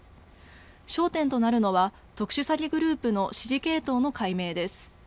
焦点となるのは特殊詐欺グループの指示系統の解明です。